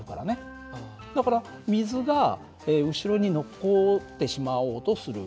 だから水が後ろに残ってしまおうとする。